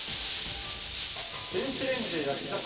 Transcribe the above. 電子レンジで焼き魚。